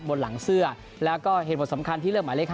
บนหลังเสื้อแล้วก็เหตุผลสำคัญที่เลือกหมายเลข๕